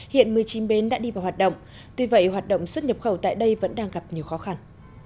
hiện một mươi chín bến đã đi vào hoạt động tuy vậy hoạt động xuất nhập khẩu tại đây vẫn đang gặp nhiều khó khăn